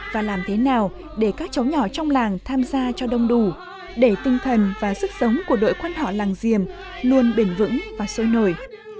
và làm thế nào để các cháu nhỏ trong làng tham gia cho đông đủ để tinh thần và sức sống của đội quan họ làng diềm luôn bền vững và sôi nổi